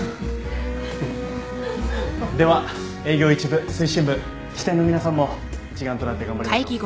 では営業一部推進部支店の皆さんも一丸となって頑張りましょう。